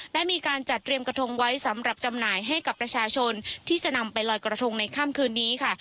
ได้มีการจัดเตรียมกระทงไว้สำหรับจำหน่ายให้กับประชาชนที่จะนำไปลอยกระทงในค่ำคืนนี้ค่ะ